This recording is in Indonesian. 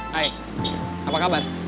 hai apa kabar